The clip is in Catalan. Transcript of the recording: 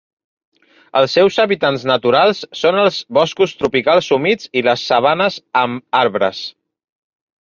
Els seus hàbitats naturals són els boscos tropicals humits i les sabanes amb arbres.